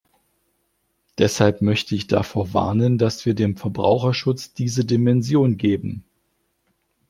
Deshalb möchte ich davor warnen, dass wir dem Verbraucherschutz diese Dimension geben.